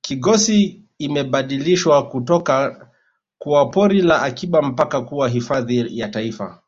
kigosi imebadilishwa kutoka kuwa pori la akiba mpaka kuwa hifadhi ya taifa